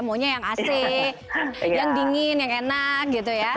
maunya yang ac yang dingin yang enak gitu ya